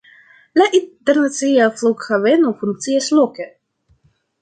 La internacia flughaveno funkcias loke.